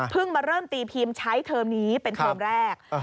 มาเริ่มตีพิมพ์ใช้เทอมนี้เป็นเทอมแรก